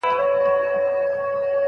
فردي ملکیت انسان ته د کار انګیزه ورکوي.